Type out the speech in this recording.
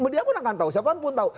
dia pun akan tahu siapa pun tahu